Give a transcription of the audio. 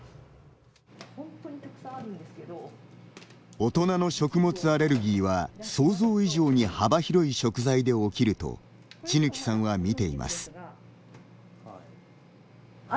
大人の食物アレルギーは想像以上に幅広い食材で起きると千貫さんはみています。